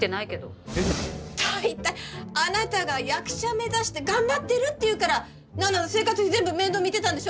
大体あなたが役者目指して頑張ってるっていうから菜々が生活費全部面倒見てたんでしょ？